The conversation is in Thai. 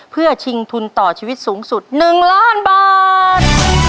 เพื่อชิงทุนต่อชีวิตสูงสุด๑ล้านบาท